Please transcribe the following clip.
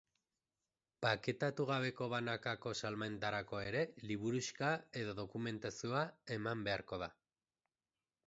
Paketatu gabeko banakako salmentarako ere, liburuxka edo dokumentazioa eman beharko da.